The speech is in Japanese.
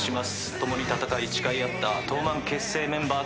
共に戦い誓い合った東卍結成メンバーとの決戦。